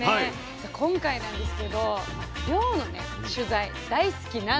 さあ今回なんですけど漁の取材大好きなんですけれども。